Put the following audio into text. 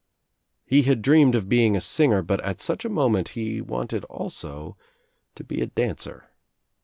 He had dreamed of be ing a singer but at such a moment he wanted also to be a dancer.